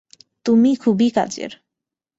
তুমি খুবই কাজের।